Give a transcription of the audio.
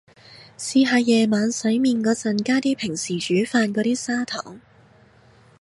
試下夜晚洗面個陣加啲平時煮飯個啲砂糖